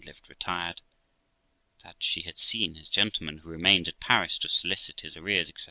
lived retired; that she had seen his gentleman, who remained at Paris to solicit his arrears, etc.